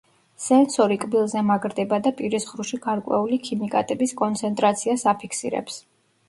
სენსორი კბილზე მაგრდება და პირის ღრუში გარკვეული ქიმიკატების კონცენტრაციას აფიქსირებს.